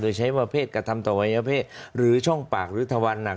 โดยใช้ประเภทกระทำต่อวัยเพศหรือช่องปากหรือทวันหนัก